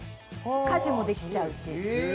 家事もできちゃうし。